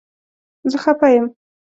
زه خپه یم